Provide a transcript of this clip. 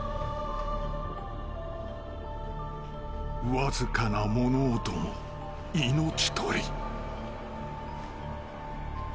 ［わずかな物音も命取り］